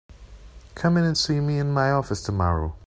Come in and see me in my office tomorrow.